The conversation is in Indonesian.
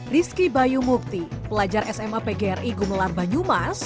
rizky bayu mukti pelajar sma pgri gumelar banyumas